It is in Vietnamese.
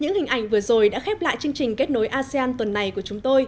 những hình ảnh vừa rồi đã khép lại chương trình kết nối asean